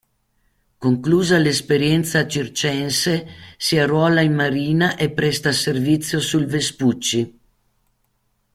Conclusa l’esperienza circense si arruola in Marina e presta servizio sul Vespucci.